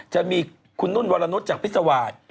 จะมีคุณนุ่นวรนุษย์จากพิษวาส